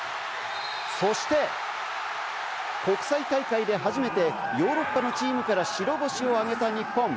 そして国際大会で初めてヨーロッパのチームから白星を挙げた日本。